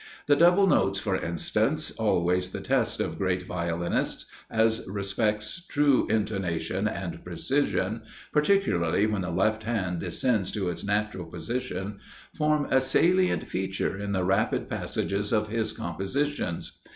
The double notes for instance, always the test of great Violinists, as respects true intonation and precision particularly when the left hand descends to its natural position form a salient feature in the rapid passages of his compositions.